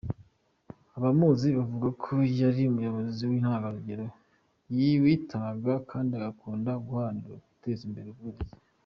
Abamuzi bavuga ko yari umuyobozi w’intangarugero witangaga kandi agakunda guharanira guteza imbere uburezi.